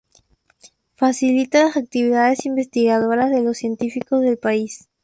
Facilita las actividades investigadoras de los científicos del país.